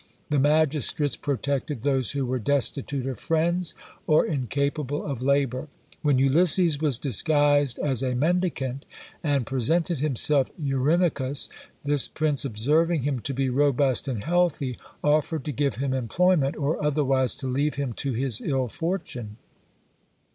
The magistrates protected those who were destitute of friends, or incapable of labour. When Ulysses was disguised as a mendicant, and presented himself to Eurymachus, this prince observing him, to be robust and healthy, offered to give him employment, or otherwise to leave him to his ill fortune.